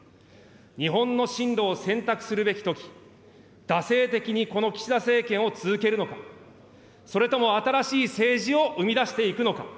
日本の進路を選択するべきとき、惰性的にこの岸田政権を続けるのか、それとも新しい政治を生み出していくのか。